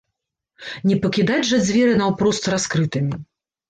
Не пакідаць жа дзверы наўпрост раскрытымі!